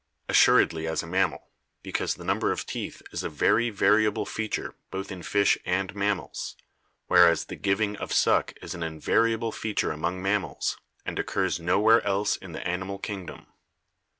Assuredly as a mammal, because the number of teeth is a very variable feature both in fish and mammals, whereas the giving of suck is an invariable feature among mammals and occurs nowhere else in the animal kingdom.